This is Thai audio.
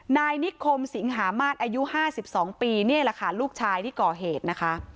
นายนิคมสิงหามาศอายุ๕๒ปีนี่แหละค่ะลูกชายที่ก่อเหตุนะคะ